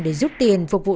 để giúp tiền phục vụ